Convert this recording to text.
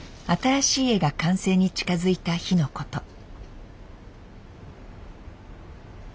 新しい絵が完成に近づいた日のこと。